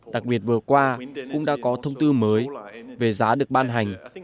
đặc biệt vừa qua cũng đã có thông tư mới về giá được ban hành